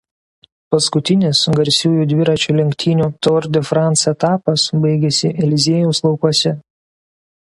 Paskutinis garsiųjų dviračių lenktynių Tour de France etapas baigiasi Eliziejaus laukuose.